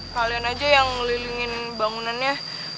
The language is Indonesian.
kalian aja yang ngelilingin bangunannya